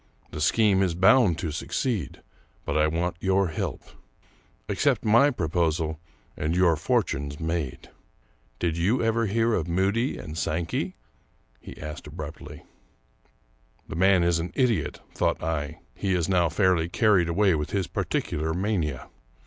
The scheme is bound to succeed, but I want your help. Accept my proposal and your fortune's made. Did you ever hear Moody and Sankey ?" he asked abruptly. The man is an idiot, thought I ; he is now fairly carried away with his particular mania.